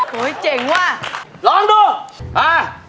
เฮ้ยโอ้ยเจ๋งว่ะร้องดูอ่ะ